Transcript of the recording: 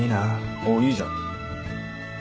おっいいじゃん。